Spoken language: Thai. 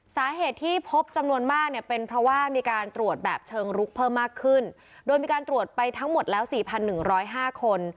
สาเหตุที่พบจำนวนมากเนี่ยเป็นเพราะว่ามีการตรวจแบบเชิงลุกเพิ่มมากขึ้นโดยมีการตรวจไปทั้งหมดแล้ว๔๑๐๕คน